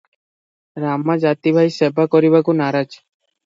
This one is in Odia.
ରାମା ଜାତି ଭାଇ ସେବା କରିବାକୁ ନାରାଜ ।